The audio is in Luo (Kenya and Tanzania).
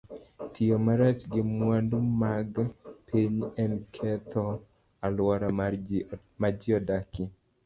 Tiyo marach gi mwandu mag piny en ketho alwora ma ji odakie.